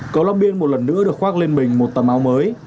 cầu long biên một lần nữa được khoác lên mình một tầm áo mới